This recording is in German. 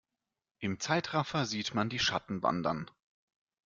Im Zeitraffer sieht man die Schatten wandern.